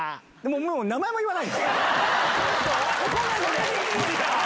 もう名前も言わないです。